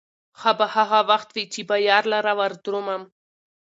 ښه به هغه وخت وي، چې به يار لره وردرومم